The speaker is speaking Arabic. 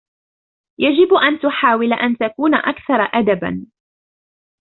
يجب أن تحاول أن تكون أكثر أدباً.